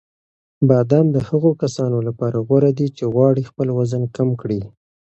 بادام د هغو کسانو لپاره غوره دي چې غواړي خپل وزن کم کړي.